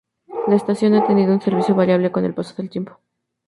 La estación ha tenido un servicio variable con el paso del tiempo.